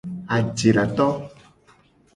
Ajedato.